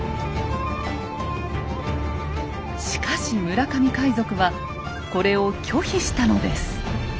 しかし村上海賊はこれを拒否したのです。